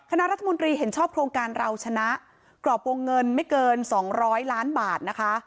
คณะรัฐมนตรีเห็นชอบโครงการเราชนะกรอบวงเงินไม่เกิน๒๐๐ล้านบาทนะคะ